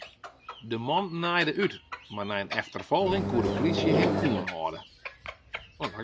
De man naaide út, mar nei in efterfolging koe de plysje him oanhâlde.